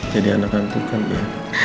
jadi anak anturkan ya